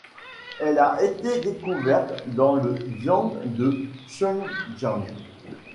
Elle a été découverte dans le xian de Shuangjiang.